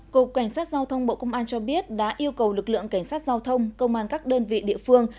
cục cảnh sát giao thông bộ công an cho biết đã yêu cầu lực lượng cảnh sát giao thông công an các đơn vị địa phương